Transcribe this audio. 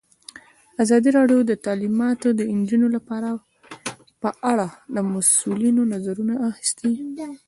ازادي راډیو د تعلیمات د نجونو لپاره په اړه د مسؤلینو نظرونه اخیستي.